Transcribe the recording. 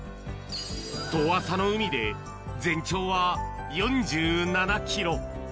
遠浅の海で、全長は４７キロ。